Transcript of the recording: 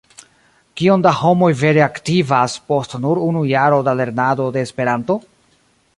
Kiom da homoj vere aktivas post nur unu jaro da lernado de Esperanto?